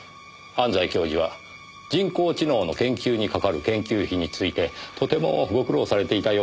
安西教授は人工知能の研究にかかる研究費についてとてもご苦労されていたようですねぇ。